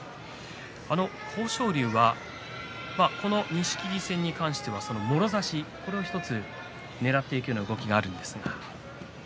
豊昇龍はこの錦木戦に関してはもろ差しを１つねらっていくような動きがあるんですが。